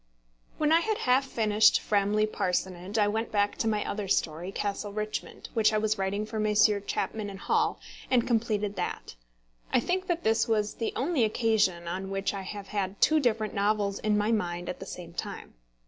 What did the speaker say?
When I had half finished Framley Parsonage, I went back to my other story, Castle Richmond, which I was writing for Messrs. Chapman & Hall, and completed that. I think that this was the only occasion on which I have had two different novels in my mind at the same time.